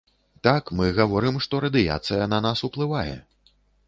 Так, мы гаворым, што радыяцыя на нас уплывае.